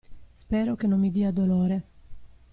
Spero che non mi dia dolore.